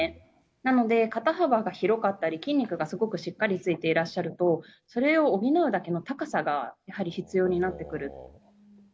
なので、肩幅が広かったり、筋肉がすごくしっかりついていらっしゃると、それを補うだけの高さがやはり必要になってくる。